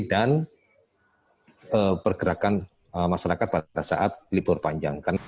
dan pergerakan masyarakat pada saat libur panjang